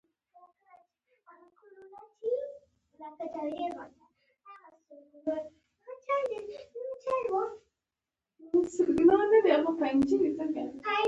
پورته شوی کار ستاسو تایید ته اړتیا لري.